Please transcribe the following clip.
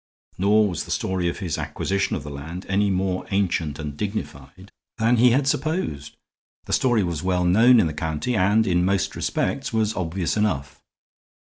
Nor was the story of his acquisition of the land any more ancient and dignified than he had supposed; the story was well known in the county and in most respects was obvious enough.